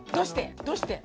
どうして？